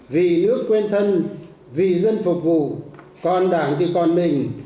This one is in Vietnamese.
vì nước quên thân vì dân phục vụ còn đảng thì còn mình